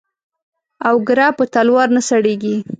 او گره په تلوار نه سړېږي.